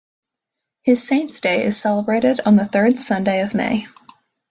His saint's day is celebrated on the third Sunday of May.